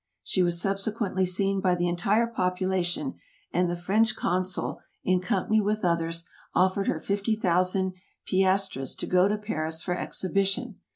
She was subsequently seen by the entire population, and the French consul, in company with others, offered her fifty thousand piastres to go to Paris for exhibition.